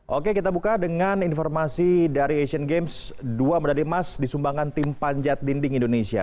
oke kita buka dengan informasi dari asian games dua medali emas disumbangkan tim panjat dinding indonesia